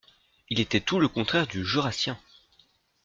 Il était tout le contraire du Jurassien.